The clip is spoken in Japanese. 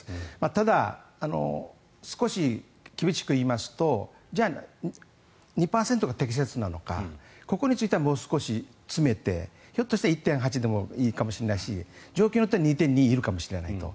ただ、少し厳しく言いますとじゃあ、２％が適切なのかここについてはもう少し詰めてひょっとして１．８でもいいかもしれないし条件によっては２．２いるかもしれないと。